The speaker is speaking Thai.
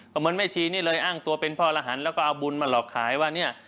ก็เหมือนแม่ชีนี่เลยอ้างตัวเป็นพ่อรหันต์แล้วก็เอาบุญมาหลอกขายว่าเนี่ย